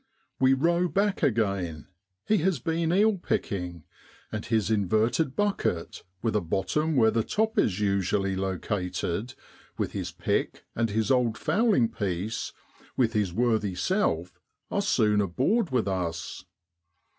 We row back again ; he has been eel picking, and his inverted bucket, with a bottom where the top is usually located, with his pick, and his old fowling peice, with his worthy self are soon aboard with us.